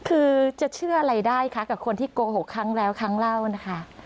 คือจะเชื่ออะไรได้คะกับคนที่โกหกครั้งแล้วครั้งเล่านะคะ